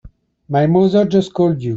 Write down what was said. My mother just called you?